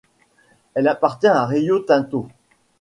Elle appartient à Rio Tinto.